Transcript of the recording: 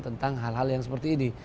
tentang hal hal yang seperti ini